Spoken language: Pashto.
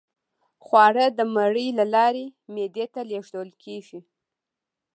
خواړه د مرۍ له لارې معدې ته لیږدول کیږي